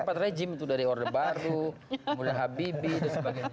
empat rejim tuh dari orde baru mullah habibie dan sebagainya